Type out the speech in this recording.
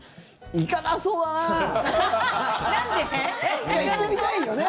いや、行ってみたいよね。